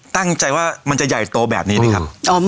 ตั้งใจว่ามันจะใหญ่โตแบบนี้นะครับ